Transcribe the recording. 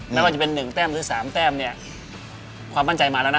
ไม่ว่าจะเป็น๑แต้มหรือ๓แต้มเนี่ยความมั่นใจมาแล้วนะ